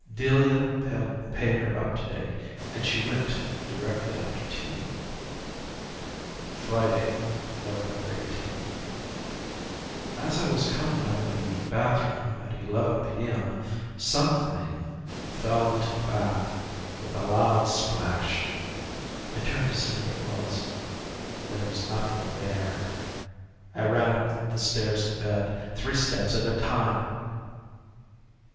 Delia paid her up to date, and she went directly after tea. "Friday, November 18th. As I was coming out of the bathroom at 11 p.m. something fell into the bath with a loud splash. I turned to see what it was there was nothing there. I ran up the stairs to bed, three steps at a time!